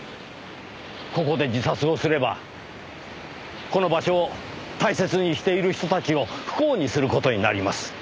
ここで自殺をすればこの場所を大切にしている人たちを不幸にする事になります。